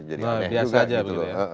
biasa aja begitu ya